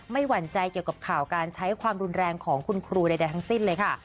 หวั่นใจเกี่ยวกับข่าวการใช้ความรุนแรงของคุณครูใดทั้งสิ้นเลยค่ะ